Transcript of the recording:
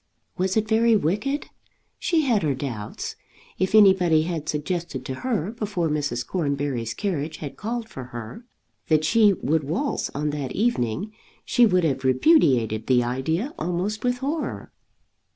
Was it very wicked? She had her doubts. If anybody had suggested to her, before Mrs. Cornbury's carriage had called for her, that she would waltz on that evening, she would have repudiated the idea almost with horror.